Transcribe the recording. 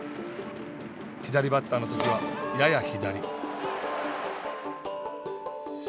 左バッターのときはやや左。